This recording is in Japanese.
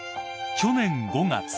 ［去年５月